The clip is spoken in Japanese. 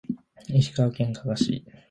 石川県加賀市